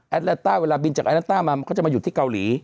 แอตแลนต้าเวลาบินจากแอตแลนต้ามาเขาจะมาอยู่ที่เกาหลี